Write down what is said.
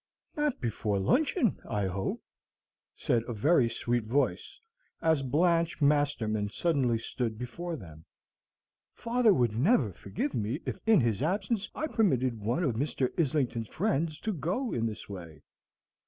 "Not before luncheon, I hope," said a very sweet voice, as Blanche Masterman suddenly stood before them. "Father would never forgive me if in his absence I permitted one of Mr. Islington's friends to go in this way.